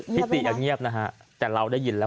ติเงียบนะฮะแต่เราได้ยินแล้ว